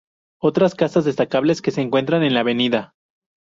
Otras casas destacables que se encuentran en la avenida.